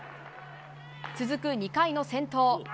続く２回の先頭。